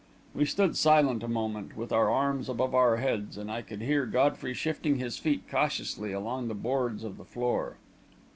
We stood silent a moment, with our arms above our heads, and I could hear Godfrey shifting his feet cautiously along the boards of the floor.